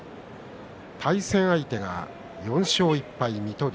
対戦相手が４勝１敗の水戸龍。